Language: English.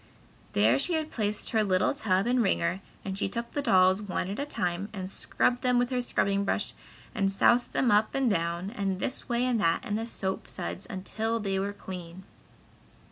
There she had placed her little tub and wringer and she took the dolls one at a time, and scrubbed them with a scrubbing brush and soused them up and down and this way and that in the soap suds until they were clean.